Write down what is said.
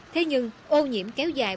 thế nhưng ô nhiễm kéo dài